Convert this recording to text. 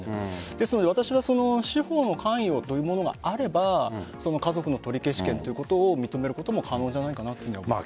ですので私は司法の関与というものがあれば家族の取り消し権を認めることも可能じゃないかなと思います。